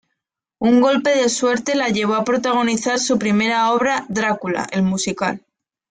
Un golpe de suerte la llevó a protagonizar su primera obra "Drácula, el musical".